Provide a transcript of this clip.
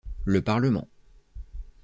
Le Parlement.